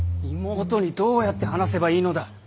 妹にどうやって話せばいいのだ。